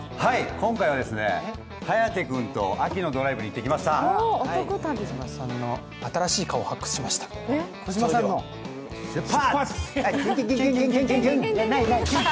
今回は颯君と秋のドライブに行ってきました。